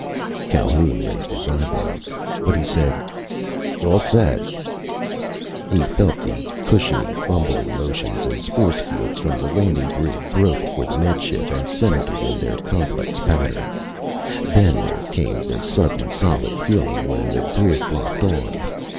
_" Calhoun raised his eyebrows. But he said: "All set." He felt the cushiony, fumbling motions as force fields from the landing grid groped for the Med Ship and centered it in their complex pattern. Then there came the sudden solid feeling when the grid locked on.